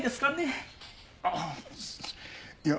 ああいや。